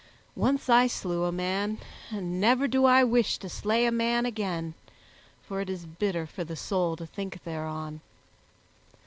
Once I slew a man, and never do I wish to slay a man again, for it is bitter for the soul to think thereon.